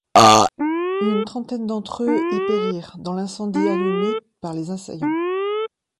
Une trentaine d'entre eux y périrent dans l'incendie allumé par les assaillants.